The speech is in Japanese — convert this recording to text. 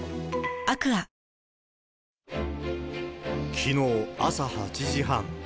きのう朝８時半。